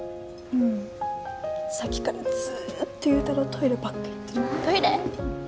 ううんさっきからずっと祐太郎トイレばっか行ってるトイレ？